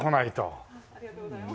ありがとうございます。